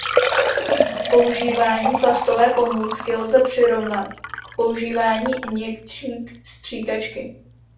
Používání plastové pomůcky lze přirovnat k používání injekční stříkačky.